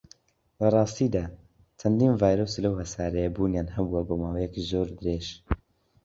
لەڕاستیدا، چەندین ڤایرۆس لەو هەسارەیە بوونیان هەبووە بۆ ماوەیەکی زۆر درێژ.